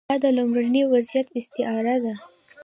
دا د لومړني وضعیت استعاره ده.